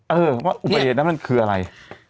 เออว่าอุบัติเหตุนั้นมันคืออะไร